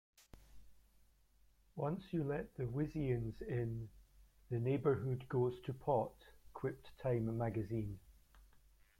"Once you let the Wisians in, the neighborhood goes to pot," quipped "Time Magazine".